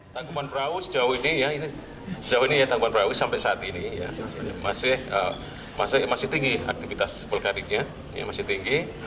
tangkupan perahu sejauh ini sejauh ini tangkupan perahu sampai saat ini masih tinggi aktivitas vulkaniknya masih tinggi